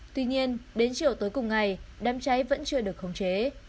tuy nhiên đến chiều tối cùng ngày đám cháy vẫn chưa được khống chế